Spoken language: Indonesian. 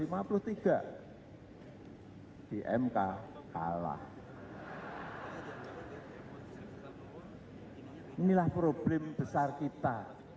ini adalah problem besar kita